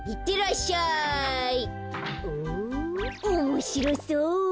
おもしろそう！